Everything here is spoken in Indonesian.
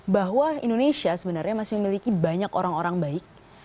bahwa indonesia sebenarnya masih memiliki banyak orang orang baik